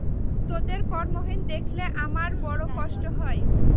তোদের কর্মহীন দেখলে আমার বড় কষ্ট হয়।